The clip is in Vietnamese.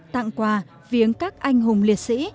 tặng quà viếng các anh hùng liệt sĩ